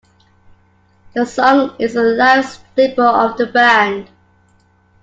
The song is a live staple of the band.